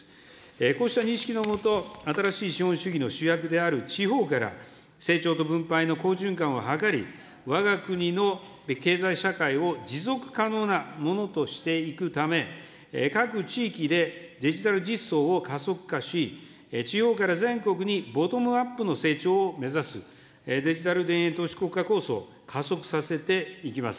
こうした認識のもと、新しい資本主義の主役である地方から、成長と分配の好循環を図り、わが国の経済社会を持続可能なものとしていくため、各地域でデジタル実装を加速化し、地方から全国にボトムアップの成長を目指す、デジタル田園都市国家構想を加速させていきます。